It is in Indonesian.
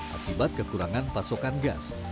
akibat kekurangan pasokan gas